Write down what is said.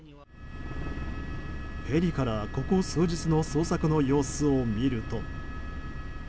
ヘリから、ここ数日の捜索の様子を見ると。